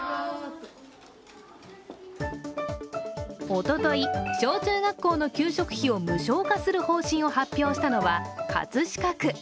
おととい、小中学校の給食費を無償化する方針を発表したのは葛飾区。